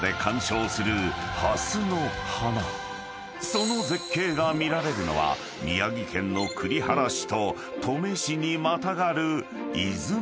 ［その絶景が見られるのは宮城県の栗原市と登米市にまたがる］